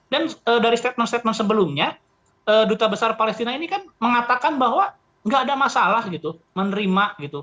dan dari statement statement sebelumnya duta besar palestina ini kan mengatakan bahwa nggak ada masalah gitu menerima gitu